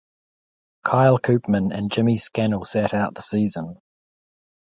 Kyle Koopman and Jimmy Scannell sat out the season.